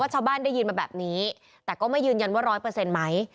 ชาวบ้านได้ยินมาแบบนี้แต่ก็ไม่ยืนยันว่าร้อยเปอร์เซ็นต์ไหม